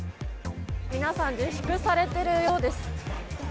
皆さん自粛されているようです。